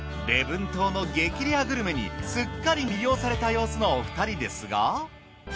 礼文島の激レアグルメにすっかり魅了された様子のお二人ですが。